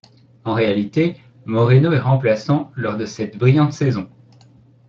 En réalité, Moreno est remplaçant lors de cette brillante saison.